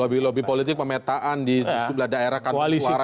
lobby lobby politik pemetaan di sebelah daerah kantor suara dan lain lain ya